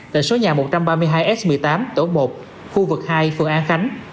tại số nhà một trăm ba mươi hai s một mươi tám tổ một khu vực hai phường an khánh